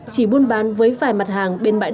chỉ buôn bán với vài mặt hàng biên bản đồng